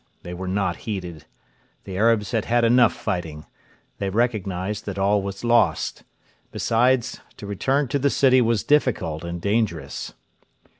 They were not heeded. The Arabs had had enough fighting. They recognised that all was lost. Besides, to return to the city was difficult and dangerous.